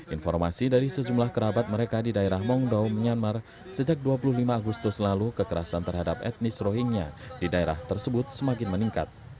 informasi dari sejumlah kerabat mereka di daerah mongdow myanmar sejak dua puluh lima agustus lalu kekerasan terhadap etnis rohingya di daerah tersebut semakin meningkat